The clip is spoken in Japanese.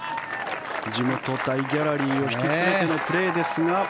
地元、大ギャラリーを引き連れてのプレーですが。